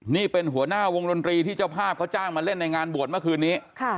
นี่เป็นหัวหน้าวงดนตรีที่เจ้าภาพเขาจ้างมาเล่นในงานบวชเมื่อคืนนี้